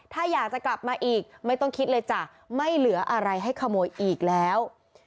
ถ้าอยากจะกลับมาอีกไม่ต้องคิดเลยจ้ะไม่เหลืออะไรให้ขโมยอีกแล้ว